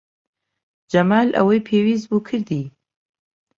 جەمال ئەوەی پێویست بوو کردی.